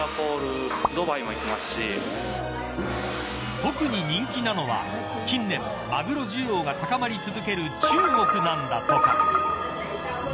特に人気なのは、近年マグロ需要が高まり続ける中国なんだとか。